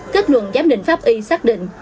kết luận giám định pháp y xác định